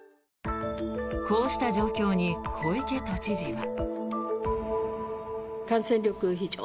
こうした状況に小池都知事は。